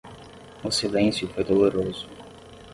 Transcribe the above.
O silêncio foi doloroso.